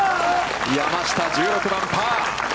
山下、１６番パー。